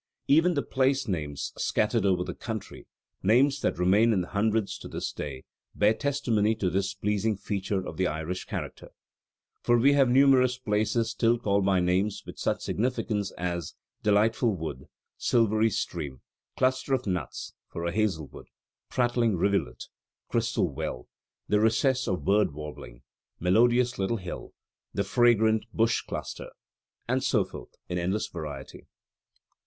Even the place names scattered over the country names that remain in hundreds to this day bear testimony to this pleasing feature of the Irish character: for we have numerous places still called by names with such significations as "delightful wood," "silvery stream," "cluster of nuts" (for a hazel wood), "prattling rivulet," "crystal well," "the recess of the bird warbling," "melodious little hill," "the fragrant bush cluster," and so forth in endless variety.